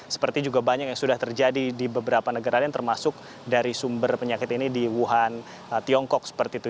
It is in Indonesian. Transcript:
seperti juga banyak yang sudah terjadi di beberapa negara lain termasuk dari sumber penyakit ini di wuhan tiongkok seperti itu